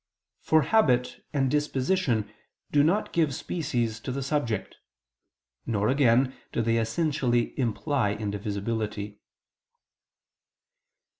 For habit and disposition do not give species to the subject: nor again do they essentially imply indivisibility.